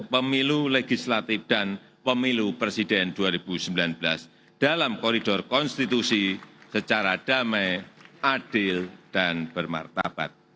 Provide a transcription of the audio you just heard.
pemilu legislatif dan pemilu presiden dua ribu sembilan belas dalam koridor konstitusi secara damai adil dan bermartabat